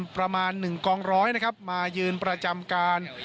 ประมาณหนึ่งกองร้อยมายืนประจำการ